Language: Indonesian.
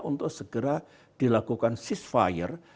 untuk segera dilakukan ceasefire